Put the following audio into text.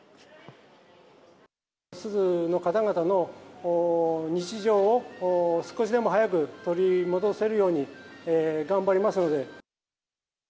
珠洲の方々の日常を少しでも早く取り戻せるように頑張りますので。